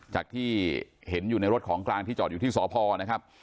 จากที่เห็นอยู่ในรถของกลางที่จอดอยู่ที่สพนะครับ